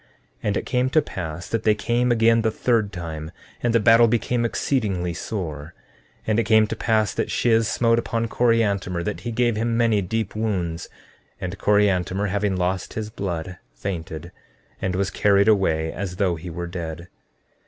And it came to pass that they came again the third time, and the battle became exceedingly sore. 14:30 And it came to pass that Shiz smote upon Coriantumr that he gave him many deep wounds; and Coriantumr, having lost his blood, fainted, and was carried away as though he were dead.